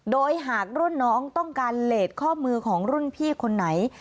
โดยหากรุ่นน้องต้องการเลสข้อมือของรุ่นพี่คนไหน